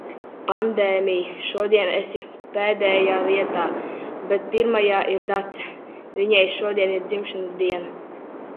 Pandēmij, šodien esi pēdējā vietā, bet pirmajā ir Dace. Viņai šodien ir dzimšanas diena.